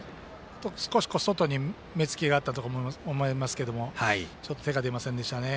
少し外に目付けがあったと思いますけどちょっと手が出ませんでしたね。